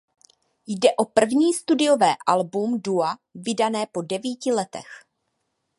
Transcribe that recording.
Jde o první studiové album dua vydané po devíti letech.